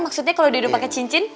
maksudnya kalo dia udah pake cincin